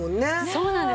そうなんです。